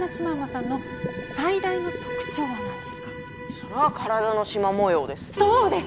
それは体のシマ模様です。